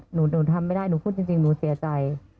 หนูทำไม่ได้หนูพูดจริงหนูเสียใจ